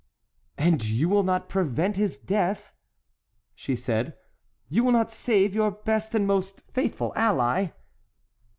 "And you will not prevent his death?" she said; "you will not save your best and most faithful ally?"